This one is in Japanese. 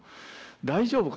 大丈夫か？